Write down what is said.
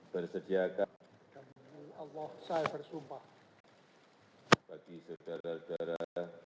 bersediakan bagi saudara saudara